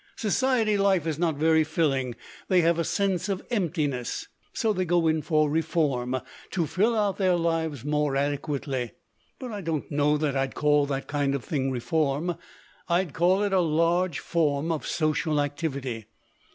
Society life is not very filling. They have a sense of emptiness. So they go in for reform, to fill out their lives more adequately. "But I don't know that I'd call that kind of thing reform. I'd call it a large form of social activity.